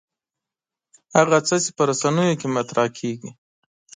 هغه څه چې په رسنیو کې مطرح کېږي.